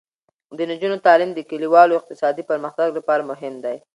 د نجونو تعلیم د کلیوالو اقتصادي پرمختګ لپاره مهم دی.